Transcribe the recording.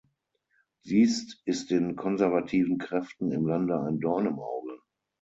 Dies ist den konservativen Kräften im Lande ein Dorn im Auge.